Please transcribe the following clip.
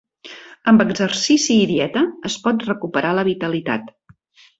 Amb exercici i dieta es pot recuperar la vitalitat.